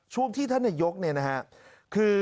ช่วงที่ท่านนายก